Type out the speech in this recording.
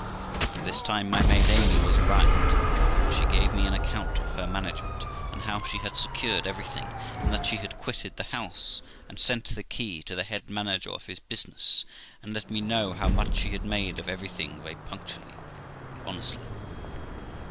By this time my maid Amy was arrived, and she gave me an account of her management, and how she had secured everything, and that she had quitted the house, and sent the key to the head manager of his business, and let me know how much she had made of everything very punctually and honestly.